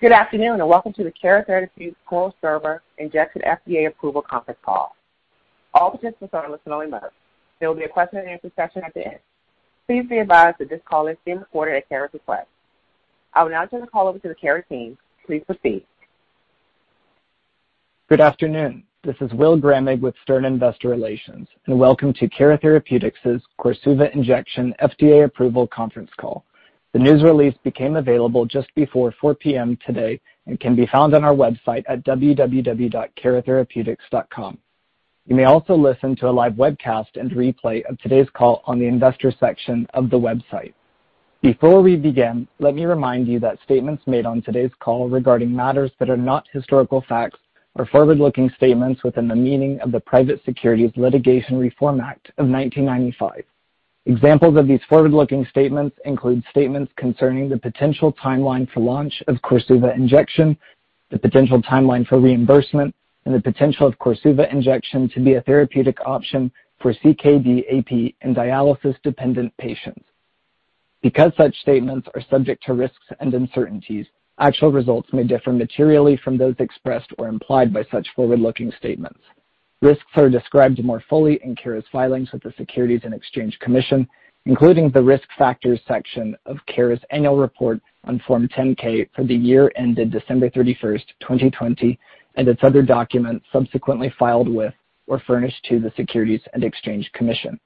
Good afternoon, and welcome to the Cara Therapeutics KORSUVA Injection FDA Approval conference call. All participants are in listen-only mode. There will be a question and answer session at the end. Please be advised that this call is being recorded at Cara's request. I will now turn the call over to the Cara team. Please proceed. Good afternoon. This is Will Gramig with Stern Investor Relations, and welcome to Cara Therapeutics' KORSUVA Injection FDA Approval conference call. The news release became available just before 4:00 P.M. today and can be found on our website at www.caratherapeutics.com. You may also listen to a live webcast and replay of today's call on the investor section of the website. Before we begin, let me remind you that statements made on today's call regarding matters that are not historical facts are forward-looking statements within the meaning of the Private Securities Litigation Reform Act of 1995. Examples of these forward-looking statements include statements concerning the potential timeline for launch of KORSUVA Injection, the potential timeline for reimbursement, and the potential of KORSUVA Injection to be a therapeutic option for CKD-aP, and dialysis-dependent patients. Such statements are subject to risks and uncertainties, actual results may differ materially from those expressed or implied by such forward-looking statements. Risks are described more fully in Cara's filings with the Securities and Exchange Commission, including the Risk Factors section of Cara's annual report on Form 10-K for the year ended December 31st, 2020, and its other documents subsequently filed with or furnished to the Securities and Exchange Commission.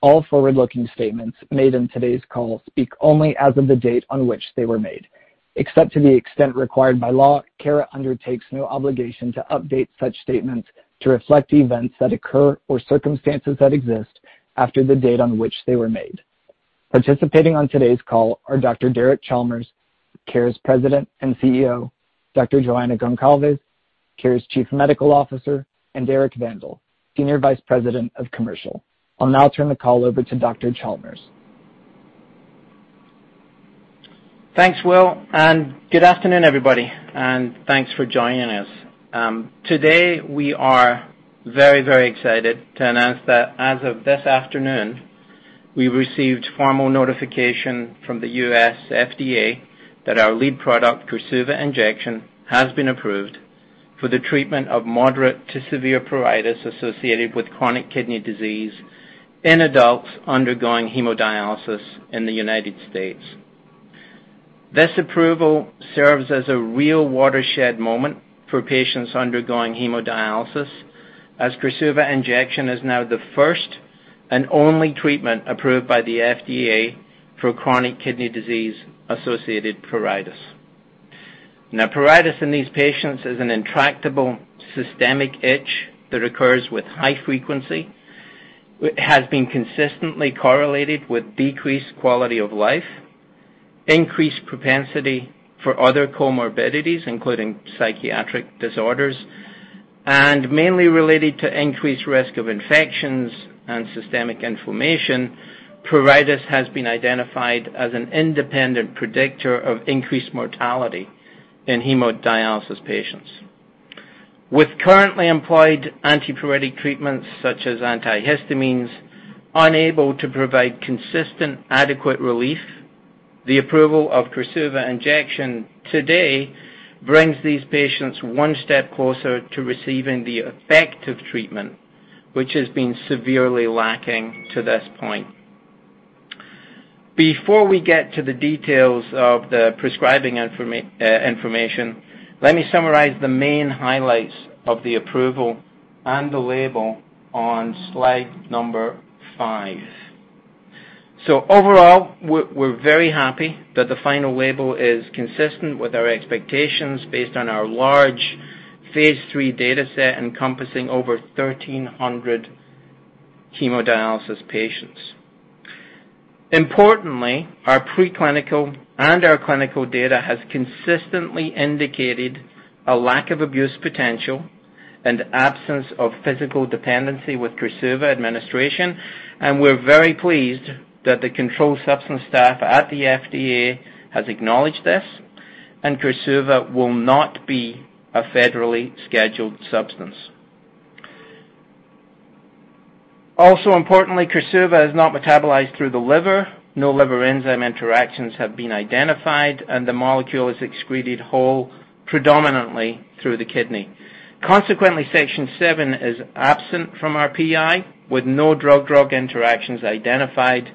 All forward-looking statements made on today's call speak only as of the date on which they were made. Except to the extent required by law, Cara undertakes no obligation to update such statements to reflect events that occur or circumstances that exist after the date on which they were made. Participating on today's call are Dr. Imran Alibhai, Cara's President and CEO; Dr. Joana Goncalves, Cara's Chief Medical Officer; and Eric Vandal, Senior Vice President of Commercial. I'll now turn the call over to Dr. Alibhai. Thanks, Will, and good afternoon, everybody, and thanks for joining us. Today, we are very excited to announce that as of this afternoon, we received formal notification from the U.S. FDA that our lead product, KORSUVA Injection, has been approved for the treatment of moderate to severe pruritus associated with chronic kidney disease in adults undergoing hemodialysis in the United States. This approval serves as a real watershed moment for patients undergoing hemodialysis, as KORSUVA Injection is now the first and only treatment approved by the FDA for chronic kidney disease-associated pruritus. Pruritus in these patients is an intractable systemic itch that occurs with high frequency. It has been consistently correlated with decreased quality of life, increased propensity for other comorbidities, including psychiatric disorders, and mainly related to increased risk of infections and systemic inflammation. Pruritus has been identified as an independent predictor of increased mortality in hemodialysis patients. With currently employed antipruritic treatments, such as antihistamines, unable to provide consistent, adequate relief, the approval of KORSUVA Injection today brings these patients one step closer to receiving the effective treatment which has been severely lacking to this point. Before we get to the details of the prescribing information, let me summarize the main highlights of the approval and the label on slide 5. Overall, we're very happy that the final label is consistent with our expectations based on our large phase III data set encompassing over 1,300 hemodialysis patients. Importantly, our preclinical and our clinical data has consistently indicated a lack of abuse potential and absence of physical dependency with KORSUVA administration, and we're very pleased that the control substance staff at the FDA has acknowledged this, and KORSUVA will not be a federally scheduled substance. Also importantly, KORSUVA is not metabolized through the liver. No liver enzyme interactions have been identified. The molecule is excreted whole predominantly through the kidney. Consequently, section 7 is absent from our PI with no drug-drug interactions identified.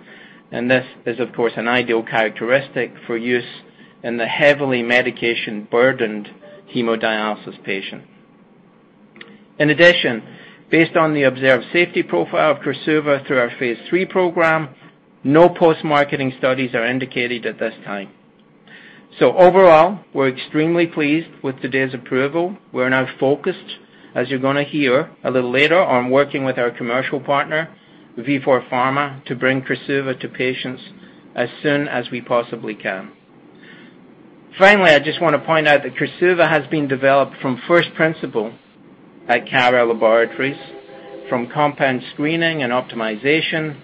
This is, of course, an ideal characteristic for use in the heavily medication-burdened hemodialysis patient. In addition, based on the observed safety profile of KORSUVA through our phase III program, no post-marketing studies are indicated at this time. Overall, we're extremely pleased with today's approval. We're now focused, as you're going to hear a little later, on working with our commercial partner, Vifor Pharma, to bring KORSUVA to patients as soon as we possibly can. Finally, I just want to point out that KORSUVA has been developed from first principle at Cara Therapeutics from compound screening and optimization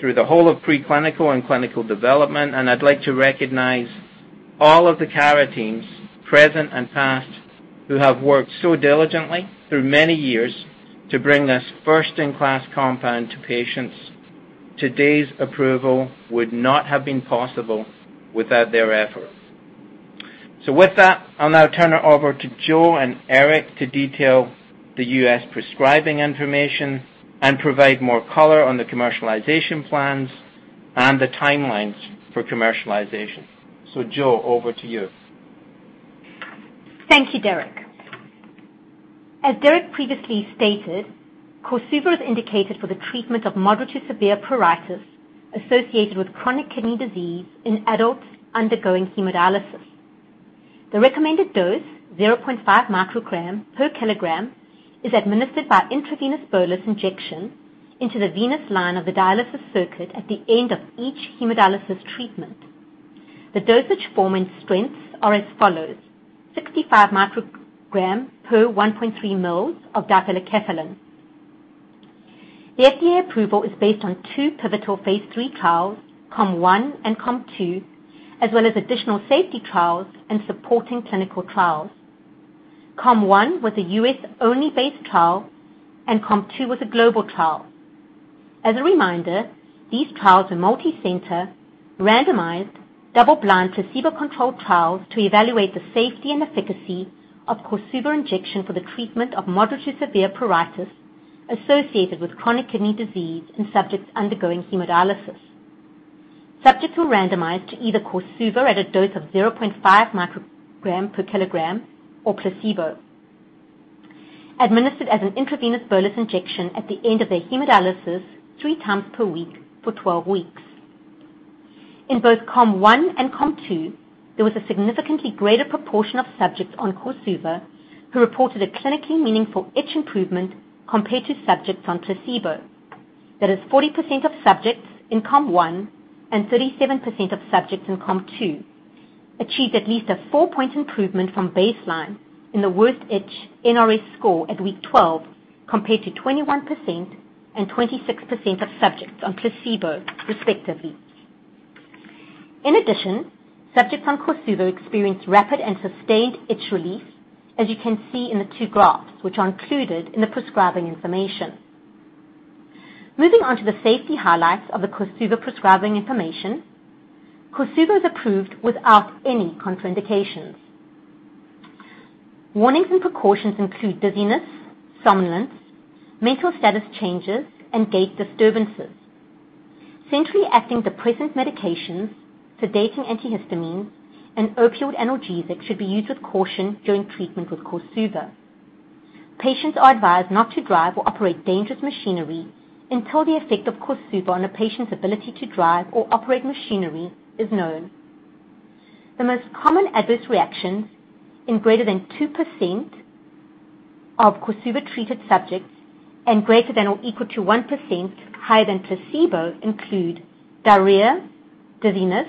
through the whole of preclinical and clinical development. I'd like to recognize all of the Cara teams, present and past, who have worked so diligently through many years to bring this first-in-class compound to patients. Today's approval would not have been possible without their effort. With that, I'll now turn it over to Jo and Eric to detail the U.S. prescribing information and provide more color on the commercialization plans and the timelines for commercialization. Jo, over to you. Thank you, Eric. As Eric previously stated, KORSUVA is indicated for the treatment of moderate to severe pruritus associated with chronic kidney disease in adults undergoing hemodialysis. The recommended dose, 0.5 microgram per kilogram, is administered by intravenous bolus injection into the venous line of the dialysis circuit at the end of each hemodialysis treatment. The dosage form and strengths are as follows: 65 microgram per 1.3 mils of difelikefalin. The FDA approval is based on 2 pivotal phase III trials, KALM-1 and KALM-2, as well as additional safety trials and supporting clinical trials. KALM-1 was a U.S.-only based trial, KALM-2 was a global trial. As a reminder, these trials are multicenter, randomized, double-blind, placebo-controlled trials to evaluate the safety and efficacy of KORSUVA Injection for the treatment of moderate to severe pruritus associated with chronic kidney disease in subjects undergoing hemodialysis. Subjects were randomized to either KORSUVA at a dose of 0.5 microgram per kilogram or placebo, administered as an intravenous bolus injection at the end of their hemodialysis 3 times per week for 12 weeks. In both KALM-1 and KALM-2, there was a significantly greater proportion of subjects on KORSUVA who reported a clinically meaningful itch improvement compared to subjects on placebo. That is 40% of subjects in KALM-1 and 37% of subjects in KALM-2 achieved at least a 4-point improvement from baseline in the worst itch NRS score at week 12, compared to 21% and 26% of subjects on placebo, respectively. In addition, subjects on KORSUVA experienced rapid and sustained itch relief, as you can see in the 2 graphs, which are included in the prescribing information. Moving on to the safety highlights of the KORSUVA prescribing information, KORSUVA is approved without any contraindications. Warnings and precautions include dizziness, somnolence, mental status changes, and gait disturbances. Centrally acting depressant medications, sedating antihistamines, and opioid analgesics should be used with caution during treatment with KORSUVA. Patients are advised not to drive or operate dangerous machinery until the effect of KORSUVA on a patient's ability to drive or operate machinery is known. The most common adverse reactions in greater than 2% of KORSUVA-treated subjects and greater than or equal to 1% higher than placebo include diarrhea, dizziness,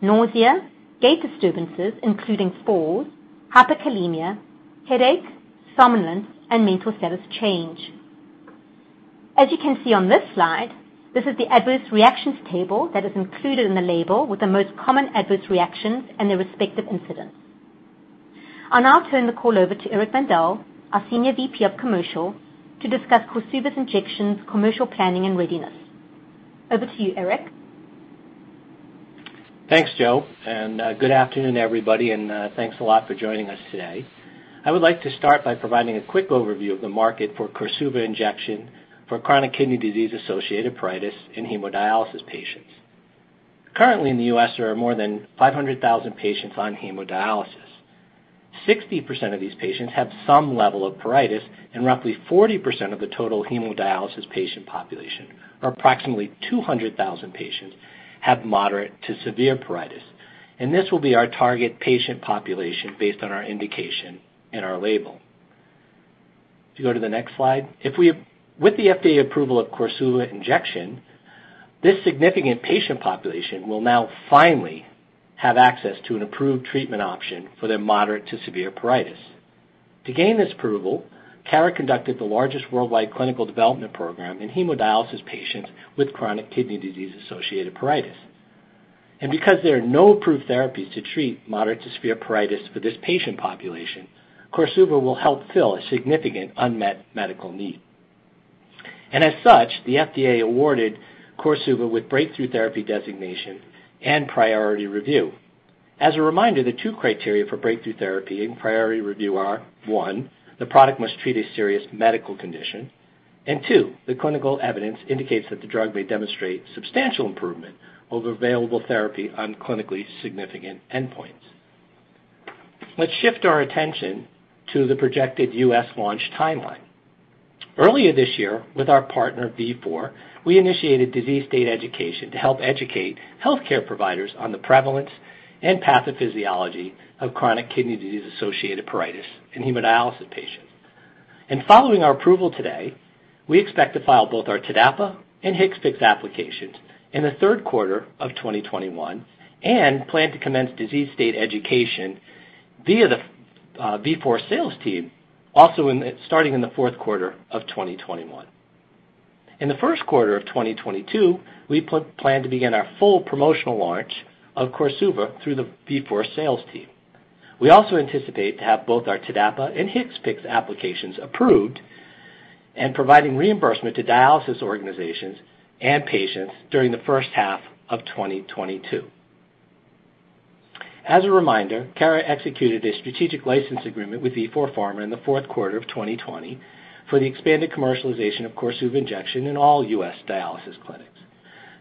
nausea, gait disturbances including falls, hyperkalemia, headache, somnolence, and mental status change. As you can see on this slide, this is the adverse reactions table that is included in the label with the most common adverse reactions and their respective incidents. I'll now turn the call over to Eric Mandel, our Senior VP of Commercial, to discuss KORSUVA's injection, commercial planning, and readiness. Over to you, Eric. Thanks, Jo, and good afternoon, everybody, and thanks a lot for joining us today. I would like to start by providing a quick overview of the market for KORSUVA Injection for chronic kidney disease-associated pruritus in hemodialysis patients. Currently in the U.S., there are more than 500,000 patients on hemodialysis. 60% of these patients have some level of pruritus, and roughly 40% of the total hemodialysis patient population, or approximately 200,000 patients, have moderate to severe pruritus, and this will be our target patient population based on our indication and our label. If you go to the next slide. With the FDA approval of KORSUVA Injection, this significant patient population will now finally have access to an approved treatment option for their moderate to severe pruritus. To gain this approval, Cara conducted the largest worldwide clinical development program in hemodialysis patients with chronic kidney disease-associated pruritus. Because there are no approved therapies to treat moderate to severe pruritus for this patient population, KORSUVA will help fill a significant unmet medical need. As such, the FDA awarded KORSUVA with breakthrough therapy designation and priority review. As a reminder, the 2 criteria for breakthrough therapy and priority review are, one, the product must treat a serious medical condition, and two, the clinical evidence indicates that the drug may demonstrate substantial improvement over available therapy on clinically significant endpoints. Let's shift our attention to the projected U.S. launch timeline. Earlier this year, with our partner, Vifor, we initiated disease state education to help educate healthcare providers on the prevalence and pathophysiology of chronic kidney disease-associated pruritus in hemodialysis patients. Following our approval today, we expect to file both our TDAPA and HCPCS applications in the 3rd quarter of 2021 and plan to commence disease state education via the Vifor sales team also starting in the 4th quarter of 2021. In the 1st quarter of 2022, we plan to begin our full promotional launch of KORSUVA through the Vifor sales team. We also anticipate to have both our TDAPA and HCPCS applications approved and providing reimbursement to dialysis organizations and patients during the 1st half of 2022. As a reminder, Cara executed a strategic license agreement with Vifor Pharma in the 4th quarter of 2020 for the expanded commercialization of KORSUVA Injection in all U.S. dialysis clinics.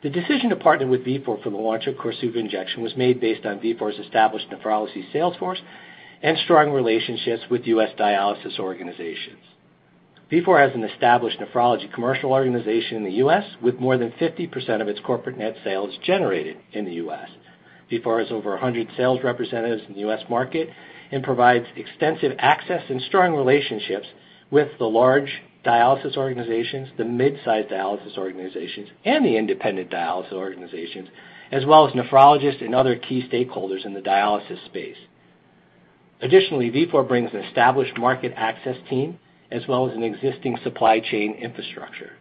The decision to partner with Vifor for the launch of KORSUVA Injection was made based on Vifor's established nephrology sales force and strong relationships with U.S. dialysis organizations. Vifor has an established nephrology commercial organization in the U.S., with more than 50% of its corporate net sales generated in the U.S. Vifor has over 100 sales representatives in the U.S. market and provides extensive access and strong relationships with the large dialysis organizations, the mid-size dialysis organizations, and the independent dialysis organizations, as well as nephrologists and other key stakeholders in the dialysis space. Additionally, Vifor brings an established market access team, as well as an existing supply chain infrastructure.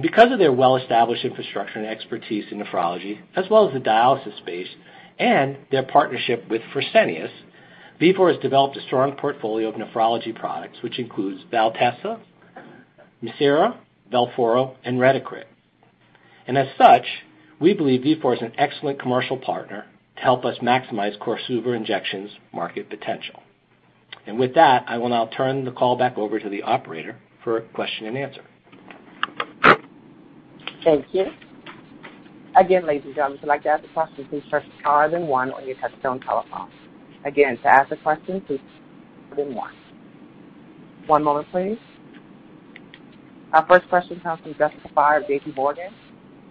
Because of their well-established infrastructure and expertise in nephrology, as well as the dialysis space, and their partnership with Fresenius, Vifor has developed a strong portfolio of nephrology products, which includes Veltassa, Mircera, Velphoro, and Retacrit. As such, we believe Vifor is an excellent commercial partner to help us maximize KORSUVA Injection's market potential. With that, I will now turn the call back over to the operator for question and answer. Our first question comes from Jessica Fye of J.P. Morgan.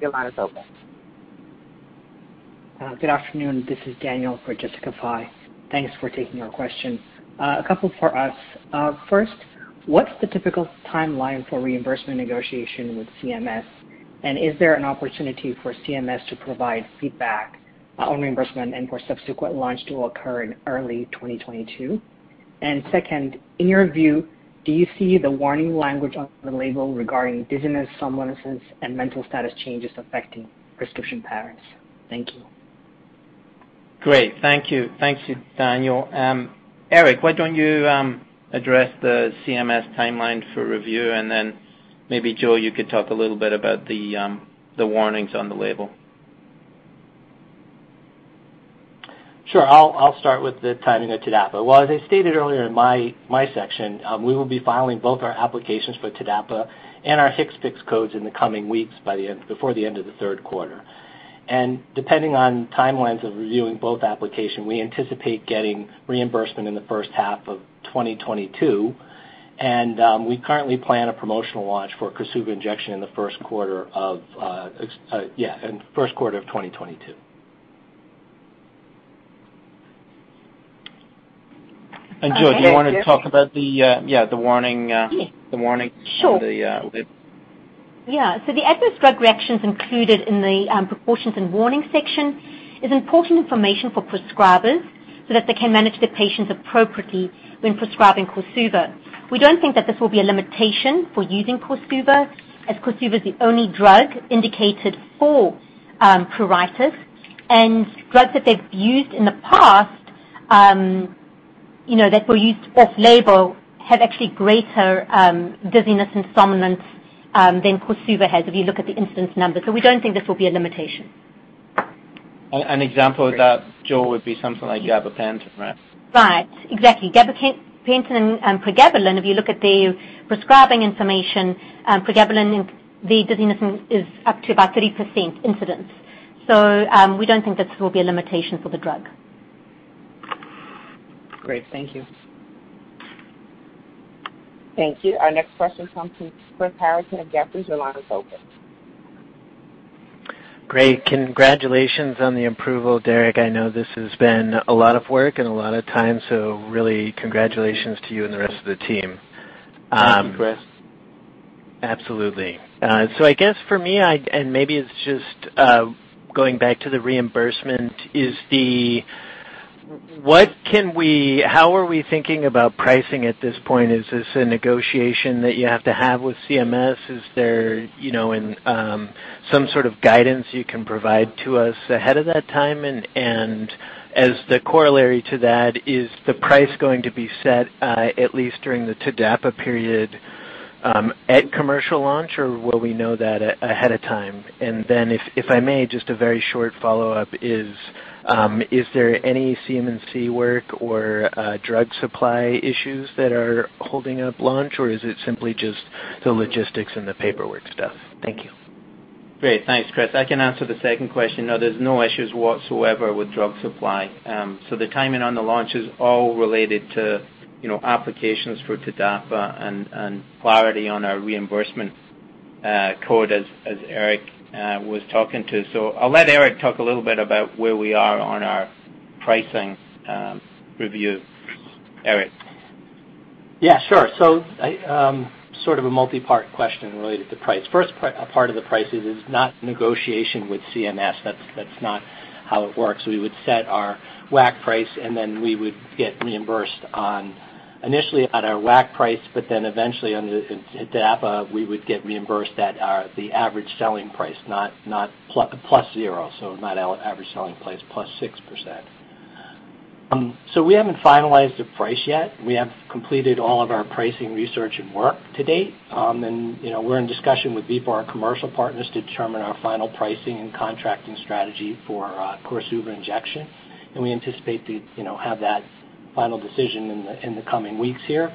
Good afternoon. This is Daniel for Jessica Fye. Thanks for taking our questions. A couple for us. First, what's the typical timeline for reimbursement negotiation with CMS? Is there an opportunity for CMS to provide feedback on reimbursement and for subsequent launch to occur in early 2022? Second, in your view, do you see the warning language on the label regarding dizziness, somnolence, and mental status changes affecting prescription patterns? Thank you. Great. Thank you, Daniel. Eric, why don't you address the CMS timeline for review, and then maybe, Jo, you could talk a little bit about the warnings on the label. Sure. I'll start with the timing of TDAPA. Well, as I stated earlier in my section, we will be filing both our applications for TDAPA and our HCPCS codes in the coming weeks before the end of the third quarter. Depending on timelines of reviewing both application, we anticipate getting reimbursement in the first half of 2022. We currently plan a promotional launch for KORSUVA Injection in the first quarter of 2022. Jo, do you want to talk about the warning on the label? Sure. Yeah. The adverse drug reactions included in the precautions and warning section is important information for prescribers so that they can manage the patients appropriately when prescribing KORSUVA. We don't think that this will be a limitation for using KORSUVA, as KORSUVA is the only drug indicated for pruritus. Drugs that they've used in the past, that were used off-label, have actually greater dizziness and somnolence than KORSUVA has, if you look at the incidence numbers. We don't think this will be a limitation. An example of that, Jo, would be something like gabapentin, right? Right. Exactly. Gabapentin and pregabalin, if you look at the prescribing information, pregabalin, the dizziness is up to about 3% incidence. We don't think this will be a limitation for the drug. Great. Thank you. Thank you. Our next question comes from Chris Harrison of Jefferies. Your line is open. Great. Congratulations on the approval, Imran. I know this has been a lot of work and a lot of time, so really congratulations to you and the rest of the team. Thank you, Chris. Absolutely. I guess for me, and maybe it's just going back to the reimbursement, how are we thinking about pricing at this point? Is this a negotiation that you have to have with CMS? Is there some sort of guidance you can provide to us ahead of that time? As the corollary to that, is the price going to be set, at least during the TDAPA period, at commercial launch, or will we know that ahead of time? Then if I may, just a very short follow-up is there any CMC work or drug supply issues that are holding up launch, or is it simply just the logistics and the paperwork stuff? Thank you. Great. Thanks, Chris. I can answer the second question. No, there's no issues whatsoever with drug supply. The timing on the launch is all related to applications for TDAPA and clarity on our reimbursement code, as Eric Mandel was talking to. I'll let Eric Mandel talk a little bit about where we are on our pricing review. Eric Mandel. Yeah, sure. Sort of a multi-part question related to price. First part of the price is it's not negotiation with CMS. That's not how it works. We would set our WAC price, then we would get reimbursed initially at our WAC price, but then eventually under TDAPA, we would get reimbursed at the average selling price, plus zero, not our average selling price plus 6%. We haven't finalized a price yet. We have completed all of our pricing research and work to date. We're in discussion with Vifor, our commercial partners, to determine our final pricing and contracting strategy for KORSUVA Injection. We anticipate to have that final decision in the coming weeks here.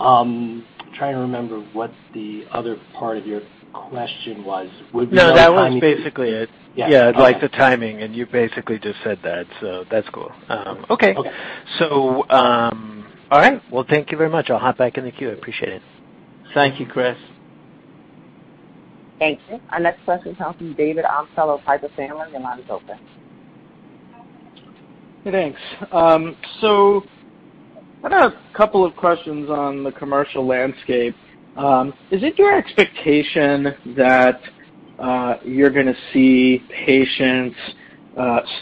I'm trying to remember what the other part of your question was. Would we know the timing? No, that was basically it. Yes. Okay. Yeah, the timing, and you basically just said that, so that's cool. Okay. Okay. All right. Well, thank you very much. I'll hop back in the queue. I appreciate it. Thank you, Chris. Thank you. Our next question comes from David Amsellem of Piper Sandler. Your line is open. Thanks. I have a couple of questions on the commercial landscape. Is it your expectation that you're going to see patients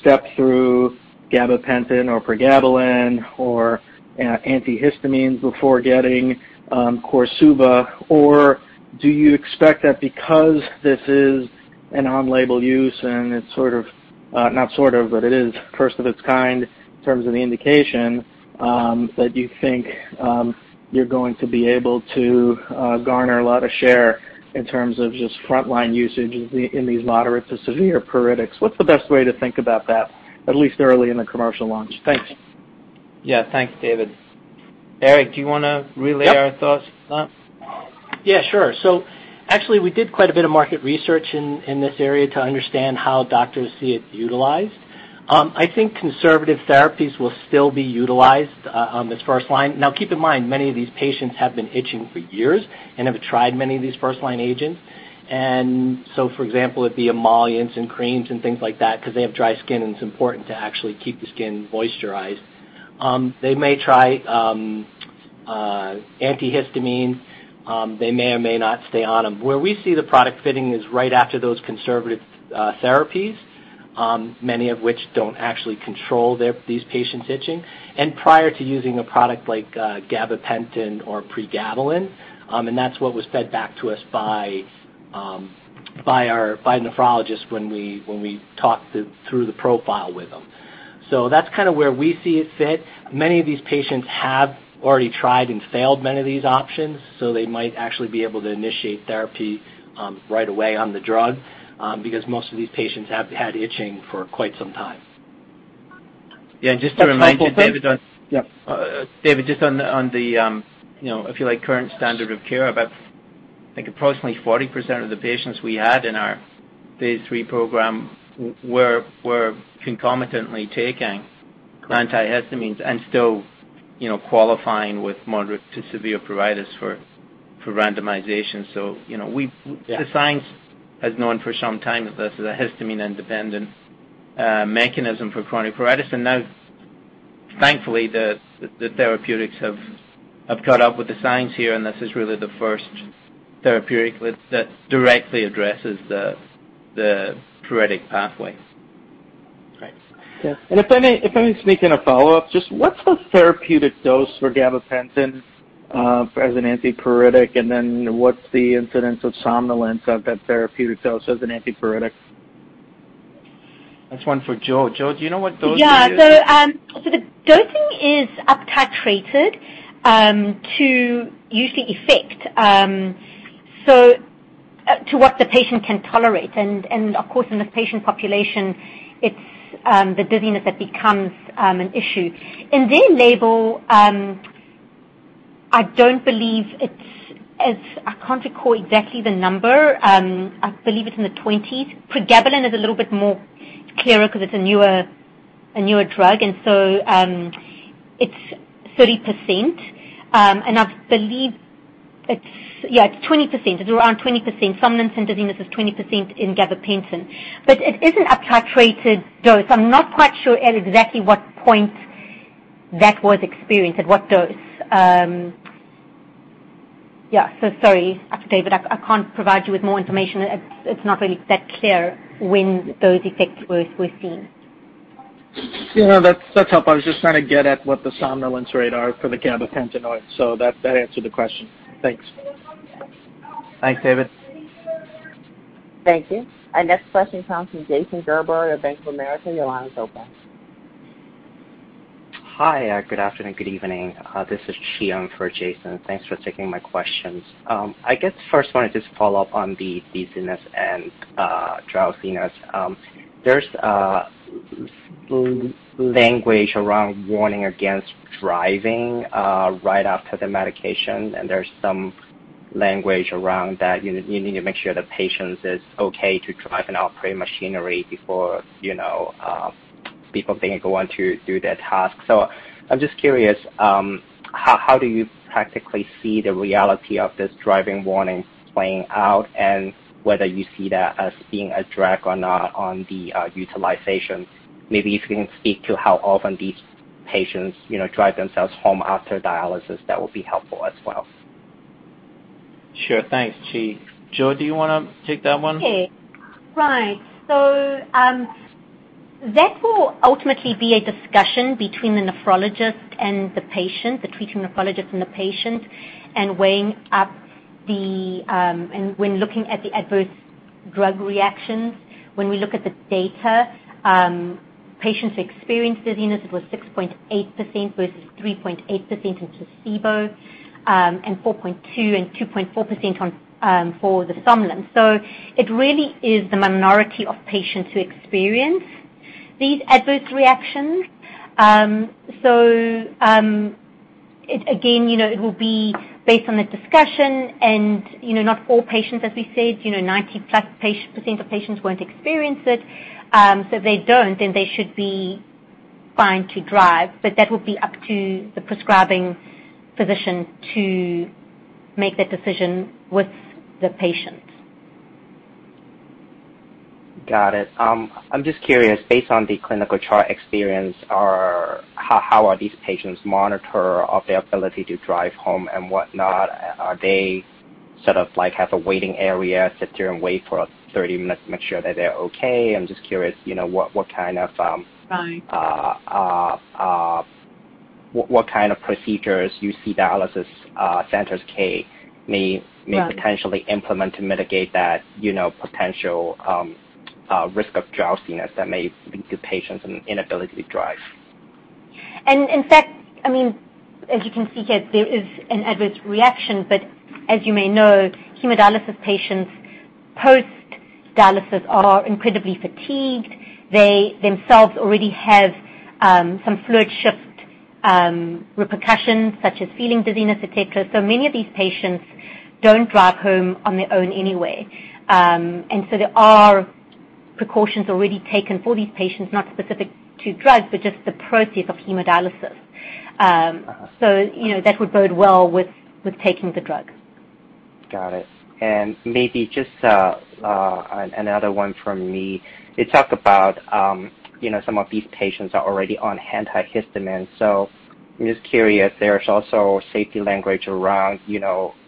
step through gabapentin or pregabalin or antihistamines before getting KORSUVA? Do you expect that because this is an on-label use and it's sort of, not sort of, but it is first of its kind in terms of the indication, that you think you're going to be able to garner a lot of share in terms of just frontline usage in these moderate to severe pruritic? What's the best way to think about that, at least early in the commercial launch? Thanks. Yeah. Thanks, David. Eric, do you want to relay our thoughts on that? Yeah, sure. Actually, we did quite a bit of market research in this area to understand how doctors see it utilized. I think conservative therapies will still be utilized as first line. Keep in mind, many of these patients have been itching for years and have tried many of these first-line agents. For example, it'd be emollients and creams and things like that because they have dry skin, and it's important to actually keep the skin moisturized. They may try antihistamine. They may or may not stay on them. Where we see the product fitting is right after those conservative therapies, many of which don't actually control these patients' itching, and prior to using a product like gabapentin or pregabalin. That's what was fed back to us by nephrologists when we talked through the profile with them. That's where we see it fit. Many of these patients have already tried and failed many of these options, so they might actually be able to initiate therapy right away on the drug because most of these patients have had itching for quite some time. Just to remind you, David Amsellem. Yeah. David, just on the, if you like, current standard of care, about approximately 40% of the patients we had in our phase III program were concomitantly taking antihistamines and still qualifying with moderate to severe pruritus for randomization. Yeah. The science has known for some time that this is a histamine-independent mechanism for chronic pruritus. Now, thankfully, the therapeutics have caught up with the science here, and this is really the first therapeutic that directly addresses the pruritic pathways. Great. Yeah. If I may sneak in a follow-up, just what's the therapeutic dose for gabapentin as an antipruritic, and then what's the incidence of somnolence of that therapeutic dose as an antipruritic? That's one for Jo. Jo, do you know what dosing is? Yeah. The dosing is uptitrated to UC effect, to what the patient can tolerate. Of course, in this patient population, it's the dizziness that becomes an issue. In their label, I can't recall exactly the number. I believe it's in the 20s. pregabalin is a little bit more clearer because it's a newer drug, and so it's 30%. I believe it's, yeah, it's 20%. It's around 20%. somnolence and dizziness is 20% in gabapentin. It is an uptitrated dose. I'm not quite sure at exactly what point that was experienced, at what dose. Yeah. Sorry, David. I can't provide you with more information. It's not really that clear when those effects were seen. Yeah, that's helpful. I was just trying to get at what the somnolence rate are for the gabapentinoids. That answered the question. Thanks. Thanks, David. Thank you. Our next question comes from Jason Gerberry of Bank of America. Your line is open. Hi, good afternoon, good evening. This is Xiang for Jason. Thanks for taking my questions. I guess first one is just follow up on the dizziness and drowsiness. There's language around warning against driving right after the medication, and there's some language around that you need to make sure the patient is okay to drive and operate machinery before people then go on to do their tasks. I'm just curious, how do you practically see the reality of this driving warning playing out and whether you see that as being a drag or not on the utilization? Maybe if you can speak to how often these patients drive themselves home after dialysis, that would be helpful as well. Sure. Thanks, Chi. Jo, do you want to take that one? Okay. Right. That will ultimately be a discussion between the nephrologist and the patient, the treating nephrologist and the patient, and weighing up and when looking at the adverse drug reactions, when we look at the data, patients experienced dizziness. It was 6.8% versus 3.8% in placebo, and 4.2 and 2.4% for the somnolence. It really is the minority of patients who experience these adverse reactions. It again, it will be based on the discussion and not all patients, as we said, 90+% of patients won't experience it. If they don't, then they should be fine to drive. That will be up to the prescribing physician to make that decision with the patient. Got it. I'm just curious, based on the clinical trial experience, how are these patients monitored for their ability to drive home and whatnot? Are they sort of like have a waiting area, sit there and wait for 30 minutes to make sure that they're okay? I'm just curious, what kind of. Right. What kind of procedures you see dialysis centers, take? Right. potentially implement to mitigate that potential risk of drowsiness that may lead to patients inability to drive. In fact, as you can see here, there is an adverse reaction, but as you may know, hemodialysis patients post-dialysis are incredibly fatigued. They themselves already have some fluid shift repercussions such as feeling dizziness, et cetera. Many of these patients don't drive home on their own anyway. There are precautions already taken for these patients, not specific to drugs, but just the process of hemodialysis. That would bode well with taking the drug. Got it. Maybe just another one from me. You talked about some of these patients are already on antihistamines, so I'm just curious, there's also safety language around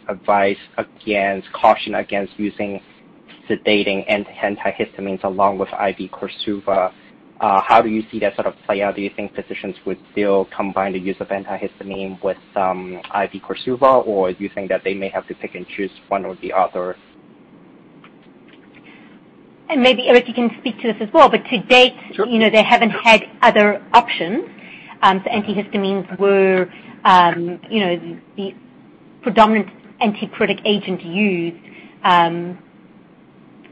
advice against caution, against using sedating antihistamines along with IV KORSUVA. How do you see that sort of play out? Do you think physicians would still combine the use of antihistamine with IV KORSUVA, or do you think that they may have to pick and choose one or the other? Maybe, Eric, you can speak to this as well, but to date. Sure. They haven't had other options. Antihistamines were the predominant antipruritic agent used.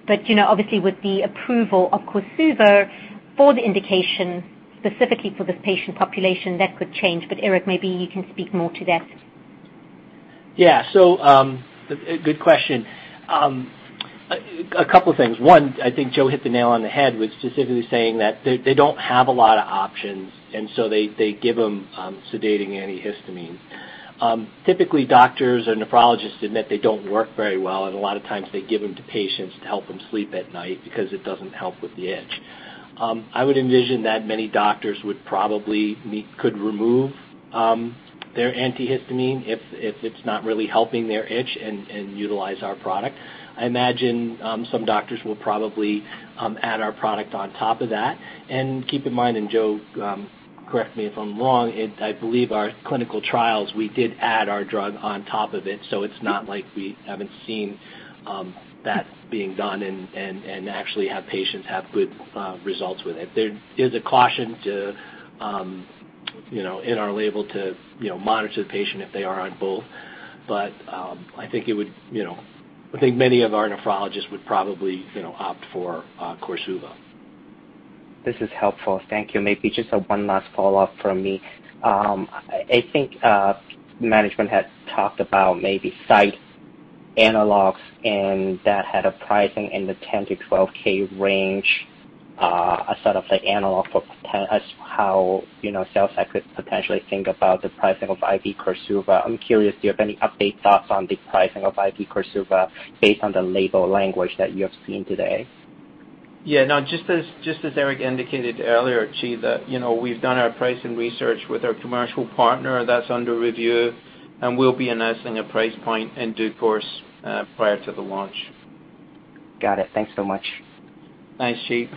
Obviously with the approval of KORSUVA for the indication specifically for this patient population, that could change. Eric, maybe you can speak more to that. Good question. A couple of things. One, I think Jo hit the nail on the head with specifically saying that they don't have a lot of options. They give them sedating antihistamine. Typically, doctors or nephrologists admit they don't work very well, and a lot of times they give them to patients to help them sleep at night because it doesn't help with the itch. I would envision that many doctors would probably remove their antihistamine if it's not really helping their itch and utilize our product. I imagine some doctors will probably add our product on top of that. Keep in mind, Jo, correct me if I'm wrong, I believe our clinical trials, we did add our drug on top of it. It's not like we haven't seen that being done and actually have patients have good results with it. There's a caution in our label to monitor the patient if they are on both. I think many of our nephrologists would probably opt for KORSUVA. This is helpful. Thank you. Maybe just one last follow-up from me. I think, management had talked about maybe cite analogs and that had a pricing in the $10K-$12K range, a sort of like analog for how sales I could potentially think about the pricing of IV KORSUVA. I'm curious, do you have any update thoughts on the pricing of IV KORSUVA based on the label language that you have seen today? Yeah, no, just as Eric indicated earlier, Chi, that we've done our pricing research with our commercial partner that's under review, and we'll be announcing a price point in due course, prior to the launch. Got it. Thanks so much. Thanks, Chi.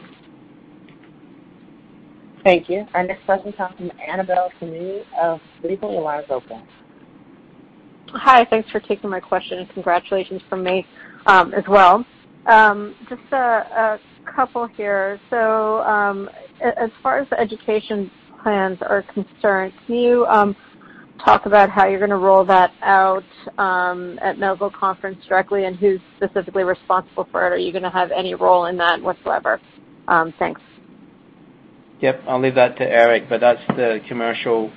Thank you. Our next question comes from Annabel Samimy of B. Riley FBR. Hi. Thanks for taking my question, and congratulations from me as well. Just a couple here. As far as education plans are concerned, can you talk about how you're going to roll that out at Medical Conference directly and who's specifically responsible for it? Are you going to have any role in that whatsoever? Thanks. Yep. I'll leave that to Eric, but that's the commercial.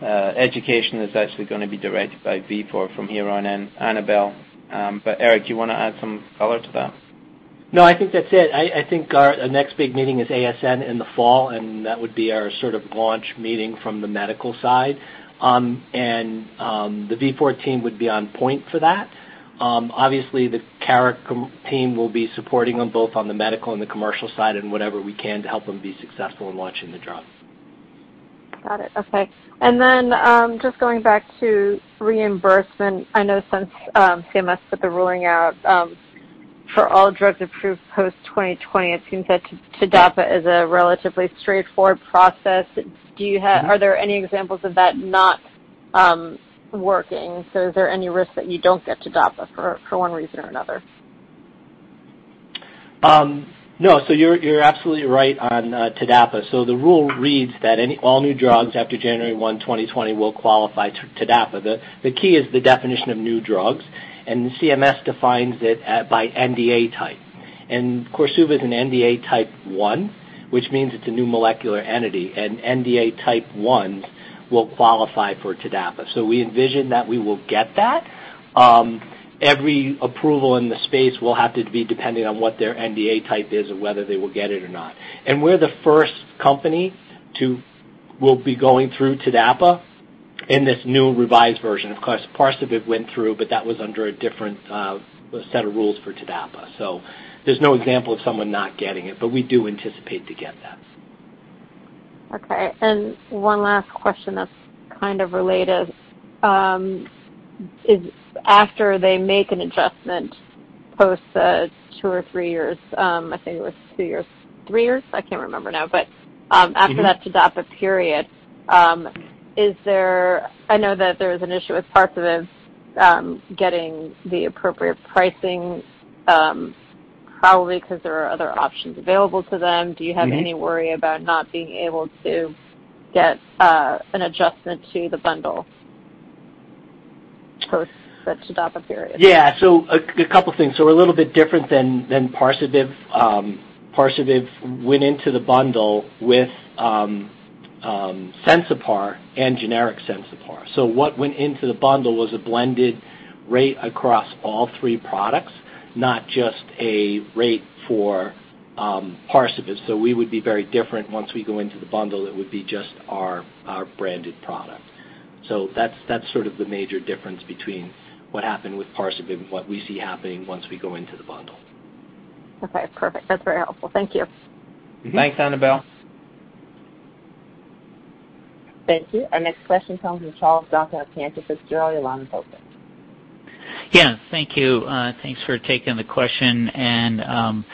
Education is actually going to be directed by Vifor from here on in, Annabel. Eric, do you want to add some color to that? No, I think that's it. I think our next big meeting is ASN in the fall, and that would be our sort of launch meeting from the medical side. The Vifor team would be on point for that. Obviously, the Cara team will be supporting them both on the medical and the commercial side in whatever we can to help them be successful in launching the drug. Got it. Okay. Just going back to reimbursement, I know since CMS put the ruling out for all drugs approved post-2020, it seems that TDAPA is a relatively straightforward process. Are there any examples of that not working? Is there any risk that you don't get TDAPA for one reason or another? No. You're absolutely right on TDAPA. The rule reads that all new drugs after January 1st, 2020, will qualify to TDAPA. The key is the definition of new drugs, CMS defines it by NDA type. KORSUVA is an NDA Type 1, which means it's a new molecular entity, NDA Type 1s will qualify for TDAPA. We envision that we will get that. Every approval in the space will have to be dependent on what their NDA type is and whether they will get it or not. We're the first company to will be going through TDAPA in this new revised version. Parsabiv went through, that was under a different set of rules for TDAPA. There's no example of someone not getting it, we do anticipate to get that. Okay. One last question that's kind of related. After they make an adjustment post 2 or 3 years, I think it was 2 years, 3 years, I can't remember now, but after that TDAPA period, I know that there was an issue with Parsabiv getting the appropriate pricing, probably because there are other options available to them. Do you have any worry about not being able to get an adjustment to the bundle post that TDAPA period? Yeah. A couple things. A little bit different than Parsabiv. Parsabiv went into the bundle with Sensipar and generic Sensipar. What went into the bundle was a blended rate across all three products, not just a rate for Parsabiv. We would be very different once we go into the bundle. It would be just our branded product. That's sort of the major difference between what happened with Parsabiv and what we see happening once we go into the bundle. Okay, perfect. That's very helpful. Thank you. Thanks, Annabel. Thank you. Our next question comes from Charles Duncan at Cantor Fitzgerald. Your line is open. Yeah, thank you. Thanks for taking the question. Imran,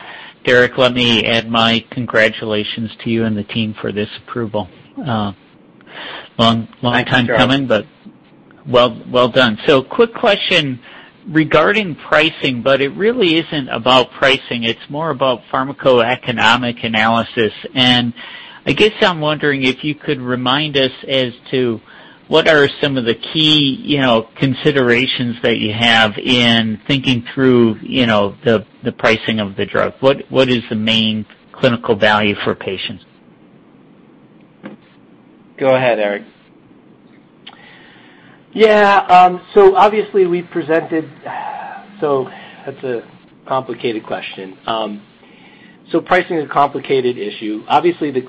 let me add my congratulations to you and the team for this approval. Long time coming, but well done. Quick question regarding pricing, but it really isn't about pricing, it's more about pharmacoeconomic analysis. I guess I'm wondering if you could remind us as to what are some of the key considerations that you have in thinking through the pricing of the drug. What is the main clinical value for patients? Go ahead, Eric. Yeah. That's a complicated question. Pricing is a complicated issue. Obviously, the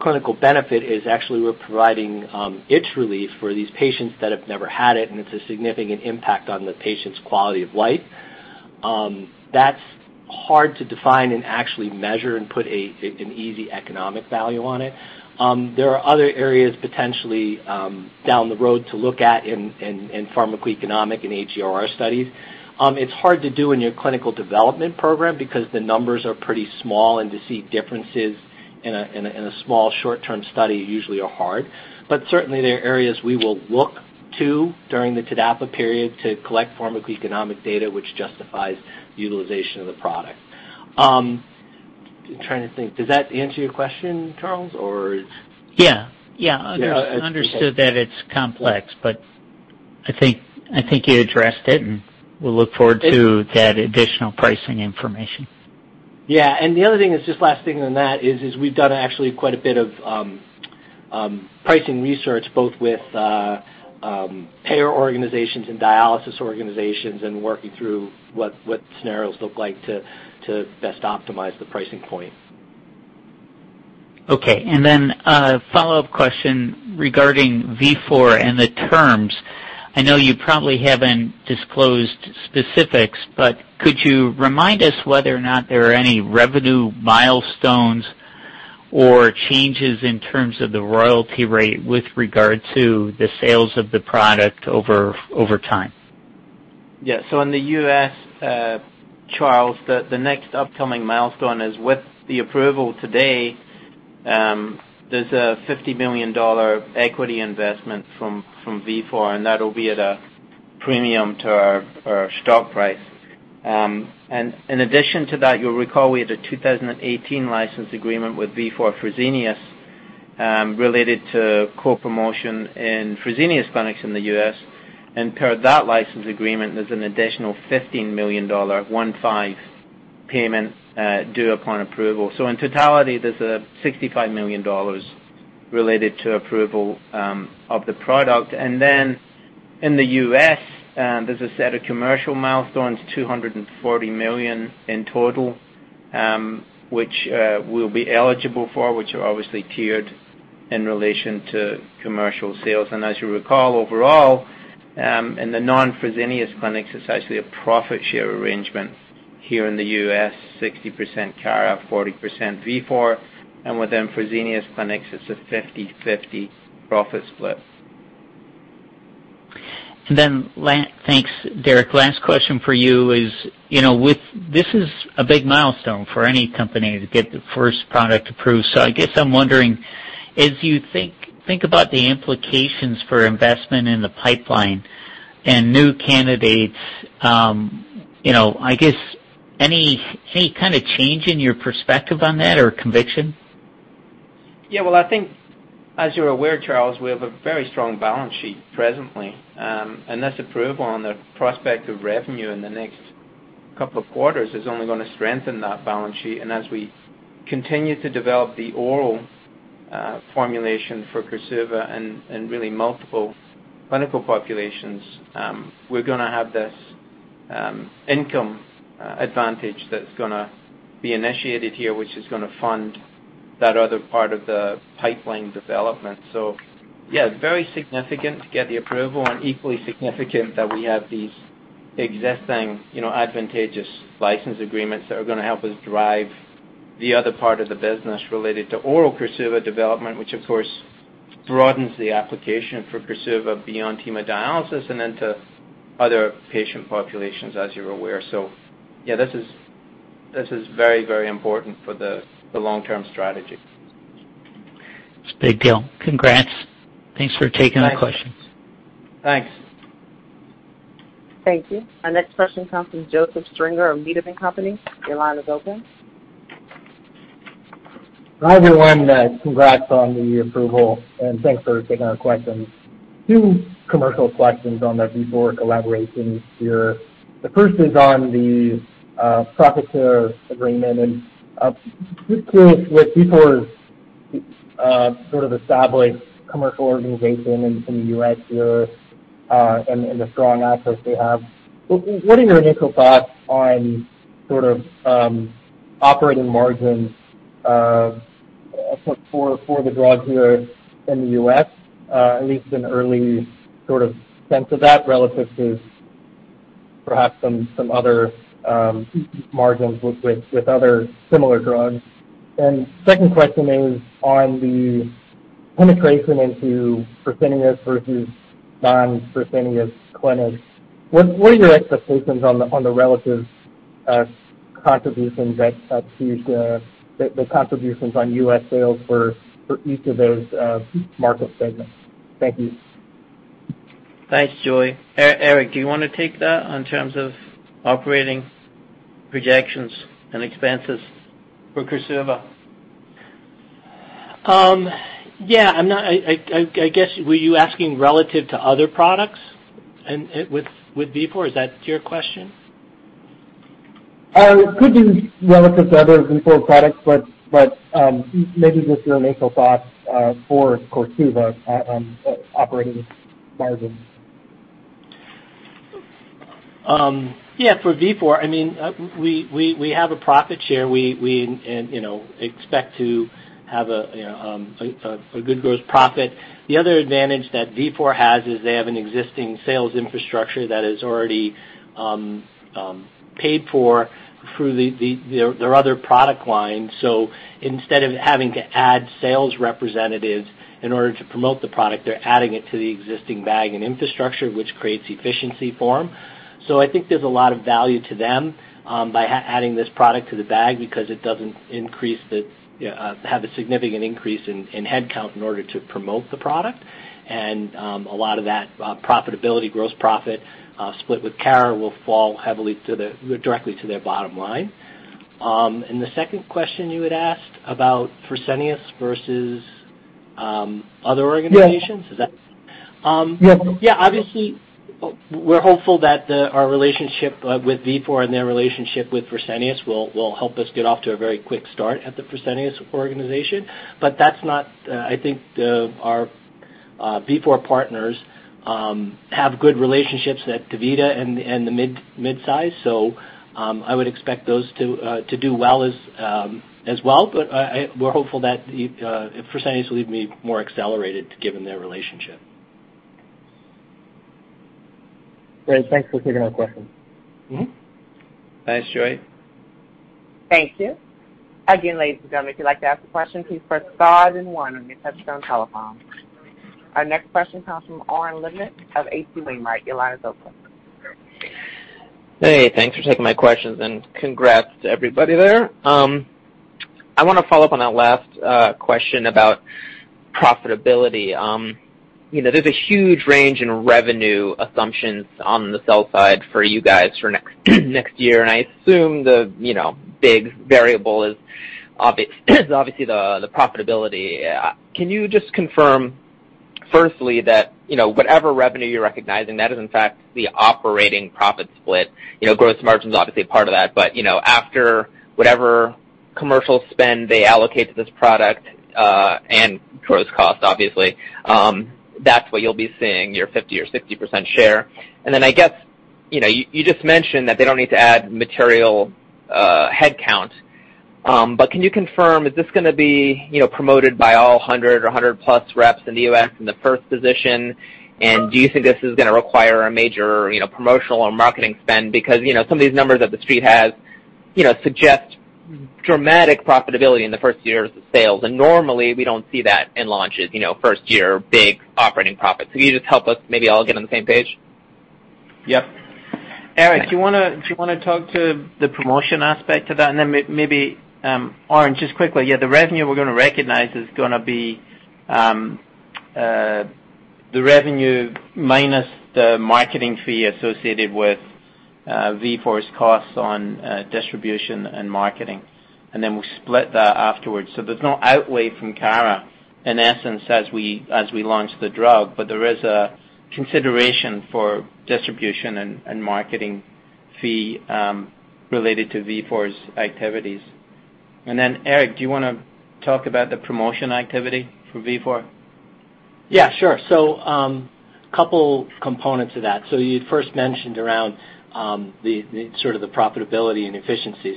clinical benefit is actually we're providing itch relief for these patients that have never had it, and it's a significant impact on the patient's quality of life. That's hard to define and actually measure and put an easy economic value on it. There are other areas potentially down the road to look at in pharmacoeconomic and HEOR studies. It's hard to do in your clinical development program because the numbers are pretty small, and to see differences in a small short-term study usually are hard. Certainly, there are areas we will look to during the TDAPA period to collect pharmacoeconomic data which justifies utilization of the product. I'm trying to think. Does that answer your question, Charles, or? Yeah. Yeah. Okay. Understood that it's complex, but I think you addressed it, and we'll look forward to that additional pricing information. The other thing is, just last thing on that is, we've done actually quite a bit of pricing research, both with payer organizations and dialysis organizations and working through what scenarios look like to best optimize the pricing point. Okay. A follow-up question regarding Vifor and the terms. I know you probably haven't disclosed specifics, but could you remind us whether or not there are any revenue milestones or changes in terms of the royalty rate with regard to the sales of the product over time? Yeah. In the U.S., Charles, the next upcoming milestone is with the approval today. There's a $50 million equity investment from Vifor, and that will be at a premium to our stock price. In addition to that, you'll recall we had a 2018 license agreement with Vifor Fresenius related to co-promotion in Fresenius clinics in the U.S., and per that license agreement, there's an additional $15 million payment due upon approval. In totality, there's a $65 million related to approval of the product. In the U.S., there's a set of commercial milestones, $240 million in total, which we'll be eligible for, which are obviously tiered in relation to commercial sales. As you recall, overall, in the non-Fresenius clinics, it's actually a profit-share arrangement. Here in the U.S., 60% Cara, 40% Vifor, and within Fresenius Clinics, it's a 50/50 profit split. Thanks, Imran. Last question for you is, this is a big milestone for any company to get the first product approved. I guess I'm wondering, as you think about the implications for investment in the pipeline and new candidates, I guess any kind of change in your perspective on that or conviction? Yeah. Well, I think as you're aware, Charles, we have a very strong balance sheet presently. This approval and the prospect of revenue in the next 2 quarters is only going to strengthen that balance sheet. As we continue to develop the oral formulation for KORSUVA and really multiple clinical populations, we're going to have this income advantage that's going to be initiated here, which is going to fund that other part of the pipeline development. Yeah, very significant to get the approval and equally significant that we have these existing advantageous license agreements that are going to help us drive the other part of the business related to oral KORSUVA development, which of course broadens the application for KORSUVA beyond hemodialysis and then to other patient populations, as you're aware. Yeah, this is very, very important for the long-term strategy. It's a big deal. Congrats. Thanks for taking our questions. Thanks. Thank you. Our next question comes from Joseph Stringer of B. Riley Company. Your line is open. Hi, everyone. Congrats on the approval and thanks for taking our questions. Two commercial questions on the Vifor collaboration here. The first is on the profit share agreement and in this case, with Vifor's sort of established commercial organization in the U.S. here and the strong assets they have, what are your initial thoughts on sort of operating margins for the drug here in the U.S., at least an early sort of sense of that relative to perhaps some other margins with other similar drugs? Second question is on the penetration into Fresenius versus non-Fresenius clinics. What are your expectations on the relative contributions on U.S. sales for each of those market segments? Thank you. Thanks, Joey. Eric, do you want to take that in terms of operating projections and expenses for KORSUVA? Yeah. I guess, were you asking relative to other products and with Vifor? Is that your question? Could be relative to other Vifor products, but maybe just your initial thoughts for KORSUVA on operating margins. Yeah. For Vifor, we have a profit share. We expect to have a good gross profit. The other advantage that Vifor has is they have an existing sales infrastructure that is already paid for through their other product lines. Instead of having to add sales representatives in order to promote the product, they're adding it to the existing bag and infrastructure, which creates efficiency for them. I think there's a lot of value to them by adding this product to the bag because it doesn't have a significant increase in headcount in order to promote the product. A lot of that profitability, gross profit split with Cara will fall heavily directly to their bottom line. The second question you had asked about Fresenius versus other organizations? Yeah. Obviously, we're hopeful that our relationship with Vifor and their relationship with Fresenius will help us get off to a very quick start at the Fresenius organization. I think our Vifor partners have good relationships at DaVita and the mid-size. I would expect those to do well as well. We're hopeful that Fresenius will be more accelerated given their relationship. Great. Thanks for taking our question. Thanks, Joey. Thank you. Again, ladies and gentlemen, if you'd like to ask a question, please press star then one on your touch-tone telephone. Our next question comes from Oren Livnat of H.C. Wainwright & Co. Your line is open. Hey, thanks for taking my questions and congrats to everybody there. I want to follow up on that last question about profitability. There's a huge range in revenue assumptions on the sell side for you guys for next year, and I assume the big variable is obviously the profitability. Can you just confirm, firstly, that whatever revenue you're recognizing, that is in fact the operating profit split, gross margin's obviously a part of that, but after whatever commercial spend they allocate to this product and gross cost, obviously, that's what you'll be seeing, your 50% share. I guess, you just mentioned that they don't need to add material headcount. Can you confirm, is this going to be promoted by all 100 or 100 plus reps in the U.S. in the first position? Do you think this is going to require a major promotional or marketing spend? Some of these numbers that the Street has suggest dramatic profitability in the first year of sales, and normally we don't see that in launches, first year, big operating profits. Can you just help us maybe all get on the same page? Yep. Eric, do you want to talk to the promotion aspect of that? Maybe, Oren, just quickly, yeah, the revenue we're going to recognize is going to be the revenue minus the marketing fee associated with Vifor's costs on distribution and marketing. There's no outlay from Cara, in essence, as we launch the drug, but there is a consideration for distribution and marketing fee related to Vifor's activities. Eric, do you want to talk about the promotion activity for Vifor? Yeah, sure. A couple components of that. You first mentioned around the profitability and efficiency.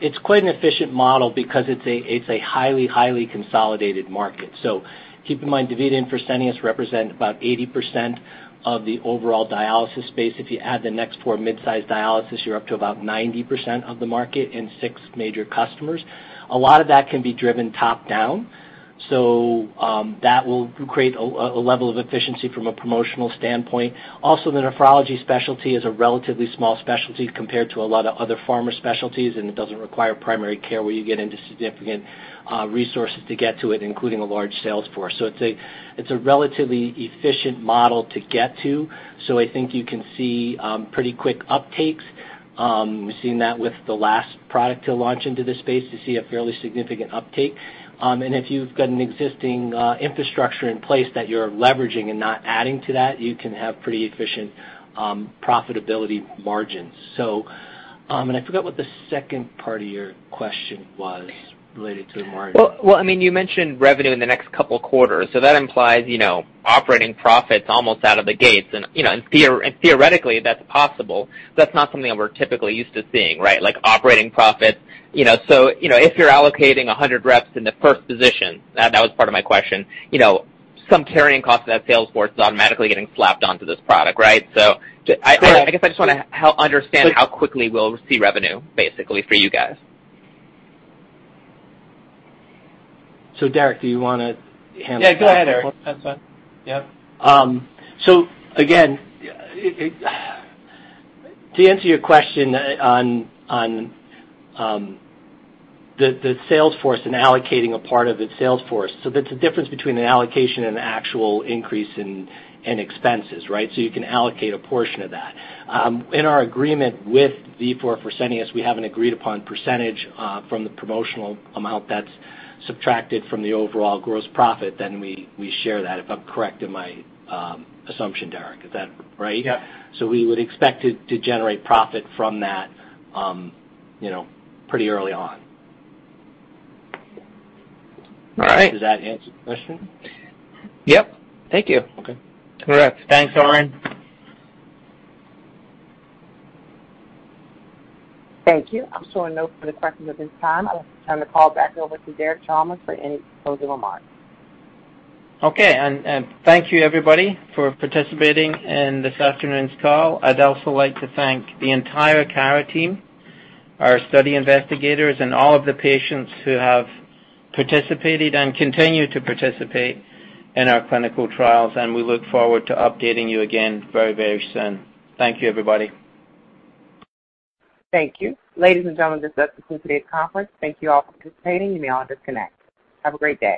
It's quite an efficient model because it's a highly consolidated market. Keep in mind, DaVita and Fresenius represent about 80% of the overall dialysis space. If you add the next 4 mid-size dialysis, you're up to about 90% of the market and 6 major customers. A lot of that can be driven top-down. That will create a level of efficiency from a promotional standpoint. Also, the nephrology specialty is a relatively small specialty compared to a lot of other pharma specialties, and it doesn't require primary care where you get into significant resources to get to it, including a large sales force. It's a relatively efficient model to get to, so I think you can see pretty quick uptakes. We've seen that with the last product to launch into this space, to see a fairly significant uptake. If you've got an existing infrastructure in place that you're leveraging and not adding to that, you can have pretty efficient profitability margins. I forgot what the second part of your question was related to the margin. Well, you mentioned revenue in the next couple quarters. That implies operating profits almost out of the gates and, theoretically, that's possible, but that's not something that we're typically used to seeing, right? Like operating profits. If you're allocating 100 reps in the first position, that was part of my question, some carrying cost of that sales force is automatically getting slapped onto this product, right? I guess I just want to understand how quickly we'll see revenue, basically, for you guys. Imran Alibhai, do you want to handle that? Yeah, go ahead, Eric. That's fine. Yep. Again, to answer your question on the sales force and allocating a part of its sales force, there's a difference between an allocation and an actual increase in expenses, right? You can allocate a portion of that. In our agreement with Vifor Fresenius, we have an agreed-upon percentage from the promotional amount that's subtracted from the overall gross profit, then we share that, if I'm correct in my assumption, Imran. Is that right? Yeah. We would expect to generate profit from that pretty early on. All right. Does that answer your question? Yep. Thank you. Okay. Correct. Thanks, Oren. Thank you. I'm showing no further questions at this time. I'll turn the call back over to Imran Alibhai for any closing remarks. Okay. Thank you everybody for participating in this afternoon's call. I'd also like to thank the entire Cara team, our study investigators, and all of the patients who have participated and continue to participate in our clinical trials, and we look forward to updating you again very, very soon. Thank you, everybody. Thank you. Ladies and gentlemen, this does conclude today's conference. Thank you all for participating. You may all disconnect. Have a great day.